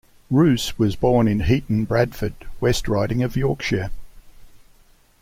Rouse was born in Heaton, Bradford, West Riding of Yorkshire.